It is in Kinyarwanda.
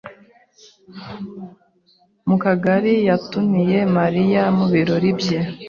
Mukakigali yatumiye Mariya mu birori bye.